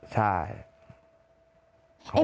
ใช่